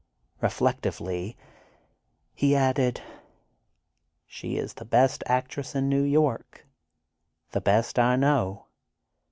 Reflectively, he added: "She is the best actress in New York—the best I know.